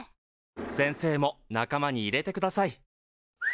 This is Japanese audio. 先生も仲間に入れてください。